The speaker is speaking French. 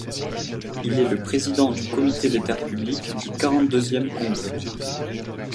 Il est le président du comité des terres publiques du quarante-deuxième congrès.